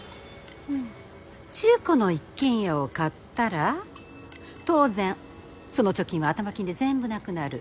中古の一軒家を買ったら当然その貯金は頭金で全部なくなる。